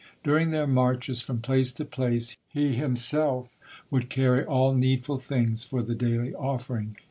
During their marches from place to place, he himself would carry all needful things for the daily offering.